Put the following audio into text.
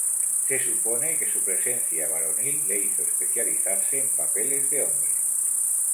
Se supone que su presencia varonil le hizo especializarse en papeles de hombre.